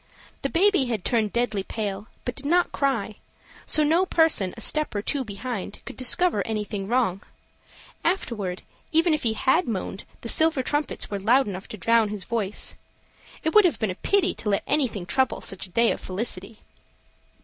The baby had turned deadly pale, but did not cry, so no person a step or two behind could discover anything wrong; afterward, even if he had moaned, the silver trumpets were loud enough to drown his voice. It would have been a pity to let anything trouble such a day of felicity.